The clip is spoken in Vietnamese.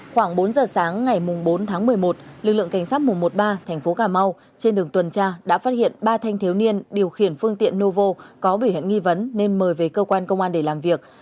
khoảng bốn giờ sáng ngày bốn tháng một mươi một lực lượng cảnh sát một trăm một mươi ba tp cà mau trên đường tuần tra đã phát hiện ba thanh thiếu niên điều khiển phương tiện novo có biểu hiện nghi vấn nên mời về cơ quan công an để làm việc